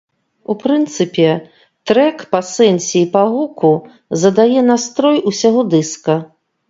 У прынцыпе, трэк па сэнсе і па гуку задае настрой усяго дыска.